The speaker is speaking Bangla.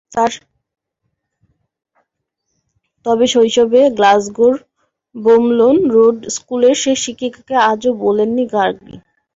তবে শৈশবে গ্লাসগোর ব্রুমলুন রোড স্কুলের সেই শিক্ষিকাকে আজও ভোলেননি ফার্গি।